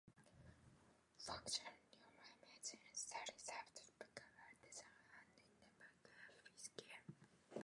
Functional neuroimaging studies have to be carefully designed and interpreted with care.